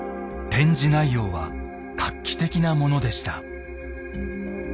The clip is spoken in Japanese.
展示内容は画期的なものでした。